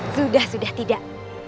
sudah sudah tidak